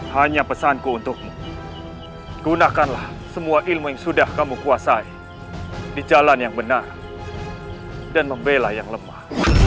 hanya pesanku untukmu gunakanlah semua ilmu yang sudah kamu kuasai di jalan yang benar dan membela yang lemah